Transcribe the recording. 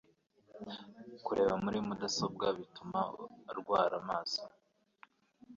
kureba muri mudasobwa bituma rwara amaso